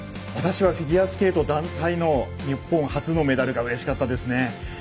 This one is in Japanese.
私はフィギュアスケート団体の日本初のメダルがうれしかったですね。